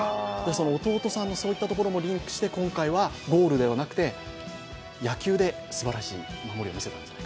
その弟さんのそういったところもリンクして今回はゴールではなくて野球ですばらしい守りをみせたんですね。